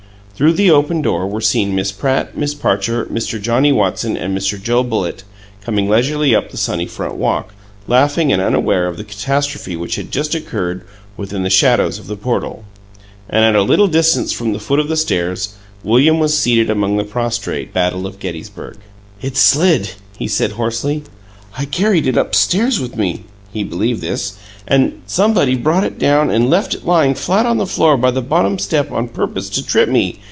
Through the open door were seen Miss Pratt, Miss Parcher, Mr. Johnnie Watson and Mr. Joe Bullitt coming leisurely up the sunny front walk, laughing and unaware of the catastrophe which had just occurred within the shadows of the portal. And at a little distance from the foot of the stairs William was seated upon the prostrate "Battle of Gettysburg." "It slid," he said, hoarsely. "I carried it upstairs with me" he believed this "and somebody brought it down and left it lying flat on the floor by the bottom step on purpose to trip me!